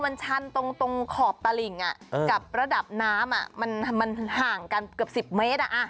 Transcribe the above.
มันชันตรงขอบตลิ่งกับระดับน้ำมันห่างกันเกือบ๑๐เมตร